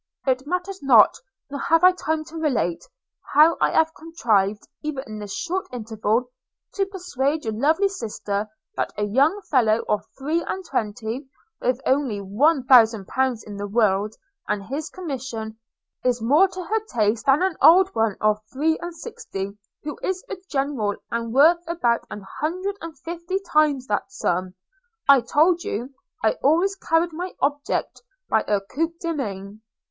It matters not, nor have I time to relate, how I have contrived, even in this short interval, to persuade your lovely sister that a young fellow of three and twenty, with only one thousand pounds in the world, and his commission, is more to her taste than an old one of three and sixty, who is a General, and worth about an hundred and fifty times that sum. – I told you, I always carried my object by a coup de main.